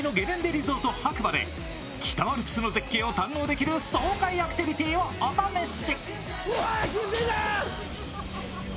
リゾート・白馬で北アルプスの絶景を堪能できる爽快アクティビティーをお試し。